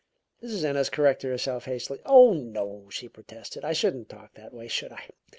Mrs. Ennis corrected herself hastily. "Oh, no," she protested. "I shouldn't talk that way, should I?